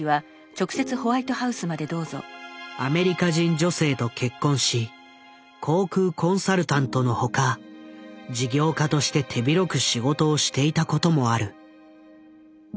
アメリカ人女性と結婚し航空コンサルタントの他事業家として手広く仕事をしていたこともある。